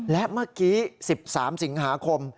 และเมื่อกี้๑๓สิงหาคม